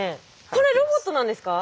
これロボットなんですか？